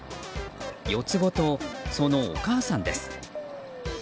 四つ子と、そのお母さんです。